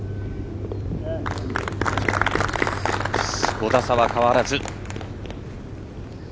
５打差は変わらず。